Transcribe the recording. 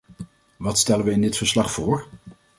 Wat stellen we in dit verslag voor?